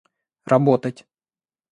работать